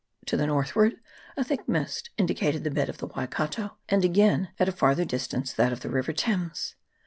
To the northward a thick mist indicated the bed of the Waikato, and again, at a farther distance, that of the river Thames.